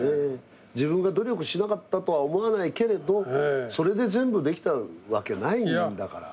自分が努力しなかったとは思わないけれどそれで全部できたわけないもんだから。